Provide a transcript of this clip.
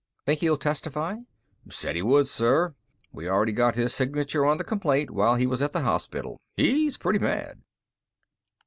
"Think he'll testify?" "Said he would, sir. We already got his signature on the complaint while he was at the hospital. He's pretty mad."